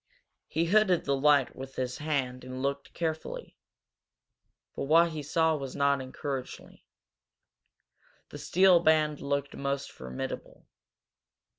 He hooded the light with his hand and looked carefully. But what he saw was not encouraging. The steel band looked most formidable.